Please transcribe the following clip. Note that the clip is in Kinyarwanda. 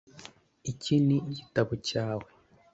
iki ni igitabo cyawe?